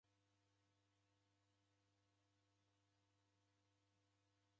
Kilongozi olegha kulomba w'ughoma.